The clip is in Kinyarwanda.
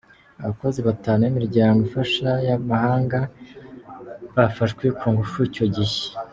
Abakozi batanu b'imiryango ifasha y'amahanga bafashwe ku ngufu icyo gihe.